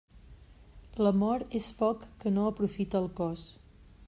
L'amor és foc que no l'aprofita el cos.